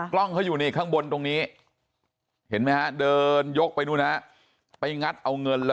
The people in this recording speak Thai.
กล้องเขาอยู่ในข้างบนตรงนี้เห็นไหมดึงยกไปได้